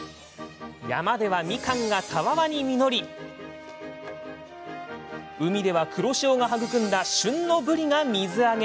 山ではみかんがたわわに実り海では黒潮が育んだ旬のぶりが水揚げ。